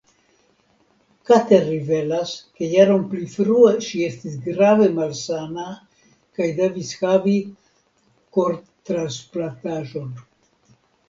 Kate rivelas ke jaron pli frue ŝi estis grave malsana kaj devis havi kortransplantaĵon.